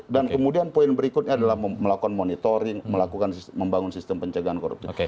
dan kemudian poin berikutnya adalah melakukan monitoring melakukan membangun sistem pencegahan korupsi